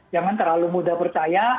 jangan terlalu mudah percaya